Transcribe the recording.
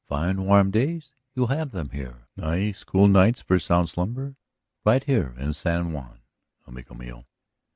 Fine warm days? You have them here. Nice cool nights for sound slumber? Right here in San Juan, amigo mío.